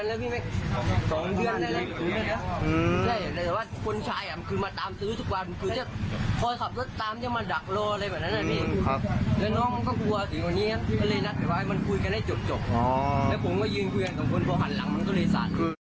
แล้วผมก็ยืนเพื่อนกับคนพอหันหลังมันก็เลยสาด